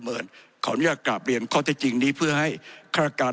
ผมจะขออนุญาตให้ท่านอาจารย์วิทยุซึ่งรู้เรื่องกฎหมายดีเป็นผู้ชี้แจงนะครับ